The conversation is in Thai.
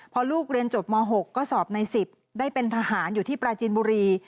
พอลูกเรียนจบม๖ก็สอบใน๑๐ได้เป็นทหารอยู่ที่ปราจีนบุรี